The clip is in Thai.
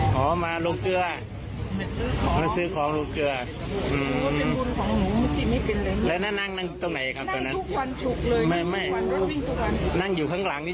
ไหวแล้วก็ควังไม่รู้ข้าวดูเลย